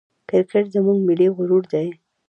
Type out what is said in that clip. کرکټ زموږ ملي غرور دئ.